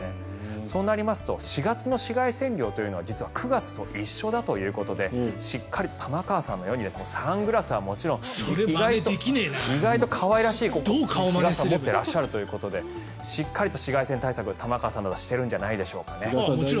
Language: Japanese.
そうなりますと４月の紫外線量というのは実は９月と一緒だということでしっかりと玉川さんのようにサングラスはもちろん意外と可愛らしい日傘を持っているということでしっかりと紫外線対策を玉川さんはしてるんじゃないでしょうか。